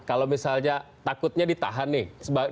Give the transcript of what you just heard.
kalau misalnya takutnya ditahan nih